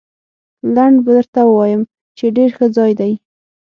لنډ به درته ووایم، چې ډېر ښه ځای دی.